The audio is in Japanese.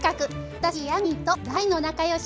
私ヤミーと大の仲よし。